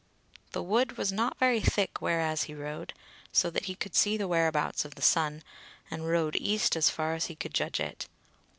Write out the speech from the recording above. The wood was not very thick whereas he rode, so that he could see the whereabouts of the sun, and rode east as far as he could judge it.